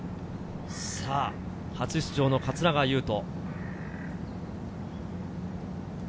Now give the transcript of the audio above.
初出場の桂川有人。